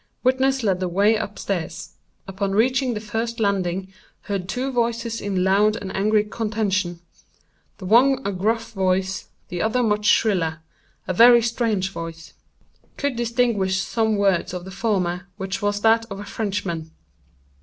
Witness led the way up stairs. Upon reaching the first landing, heard two voices in loud and angry contention—the one a gruff voice, the other much shriller—a very strange voice. Could distinguish some words of the former, which was that of a Frenchman.